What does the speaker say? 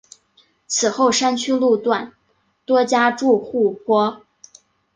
此后山区路段多加筑护坡。